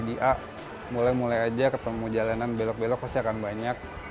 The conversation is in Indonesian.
di a mulai mulai aja ketemu jalanan belok belok pasti akan banyak